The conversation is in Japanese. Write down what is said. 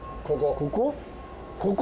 ここ。